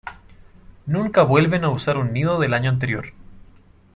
Nunca vuelven a usar un nido del año anterior.